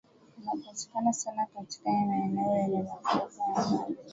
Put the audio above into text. unapatikana sana katika maeneo yenye mafuriko ya maji